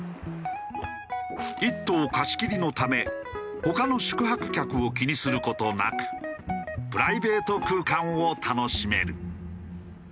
一棟貸し切りのため他の宿泊客を気にする事なくプライベート空間を楽しめる。